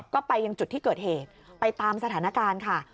ก็ไปยังจุดที่เกิดเหตุไปตามสถานการณ์ค่ะ